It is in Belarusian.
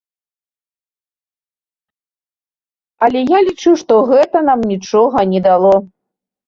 Але я лічу што гэта нам нічога не дало.